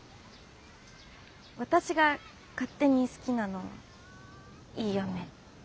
私が勝手に好きなのはいいよね？